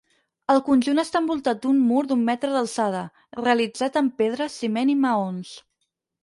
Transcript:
El conjunt està envoltat d'un mur d'un metre d'alçada, realitzat amb pedra, ciment i maons.